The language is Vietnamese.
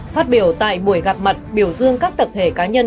phát biểu tại buổi gặp mặt biểu dương các tập thể cá nhân